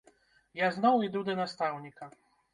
Я зноў іду да настаўніка.